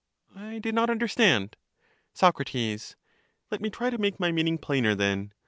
I do not understand. Soc. Let me try to make my meaning plainer then.